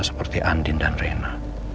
seperti andin dan rena